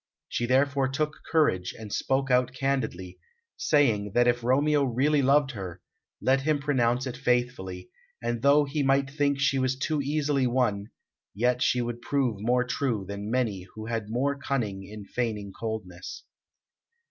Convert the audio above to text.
She therefore took courage, and spoke out candidly, saying that if Romeo really loved her, let him pronounce it faithfully, and though he might think she was too easily won, yet she would prove more true than many who had more cunning in feigning coldness.